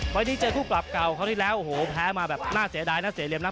ไฟล์ทนี้เจอคู่ปรับเก่าเค้าที่แล้วแพ้มาแบบน่าเสียดายน่าเสียเหลี่ยมนะ